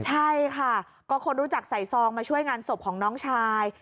ใช่ค่ะก็คนรู้จักใส่ซองมาช่วยงานศพของน้องชาย